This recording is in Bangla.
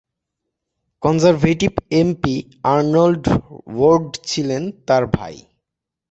কনজারভেটিভ এমপি আর্নল্ড ওয়ার্ড ছিলেন তার ভাই।